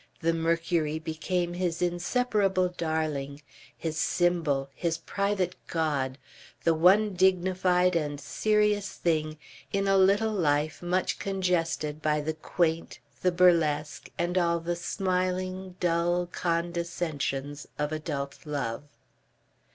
The Mercury became his inseparable darling, his symbol, his private god, the one dignified and serious thing in a little life much congested by the quaint, the burlesque, and all the smiling, dull condescensions of adult love.